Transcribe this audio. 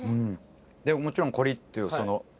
でももちろんコリっていうその。